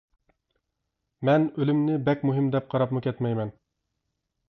مەن ئۆلۈمنى بەك مۇھىم دەپ قاراپمۇ كەتمەيمەن.